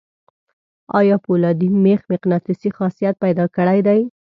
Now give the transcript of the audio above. آیا فولادي میخ مقناطیسي خاصیت پیدا کړی دی؟